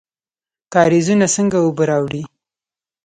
کاریزونه څنګه اوبه راوړي؟